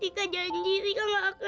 jika janji diri kak gak akan nakal